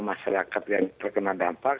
masyarakat yang terkena dampak